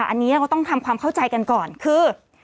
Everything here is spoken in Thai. อันนี้ก็ต้องทำความเข้าใจกันก่อนคือ